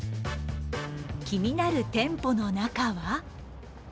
気になる店舗の中は？